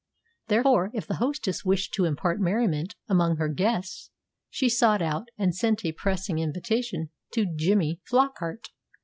Therefore, if the hostess wished to impart merriment among her guests, she sought out and sent a pressing invitation to "Jimmy" Flockart.